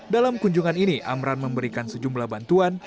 dalam kunjungan ini amran memberikan sejumlah bantuan